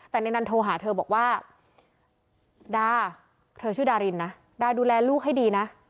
แต่ในนั้นโทรหาเธอบอกว่าดาเธอชื่อดารินนะดาดูแลลูกให้ดีนะ